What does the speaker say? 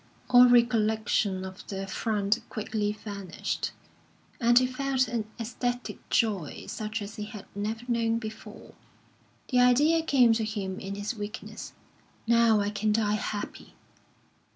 All recollection of the affront quickly vanished, and he felt an ecstatic joy such as he had never known before. The idea came to him in his weakness: "Now I can die happy!"